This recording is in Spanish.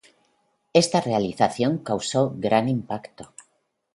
Esta realización causó gran impacto.